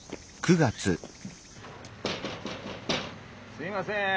・すいません。